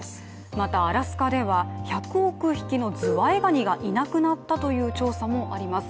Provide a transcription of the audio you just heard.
またアラスカでは、１００億匹のズワイガニがいなくなったという調査もあります。